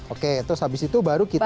oke terus habis itu baru kita